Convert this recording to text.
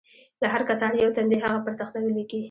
له هر کتار یو تن دې هغه پر تخته ولیکي.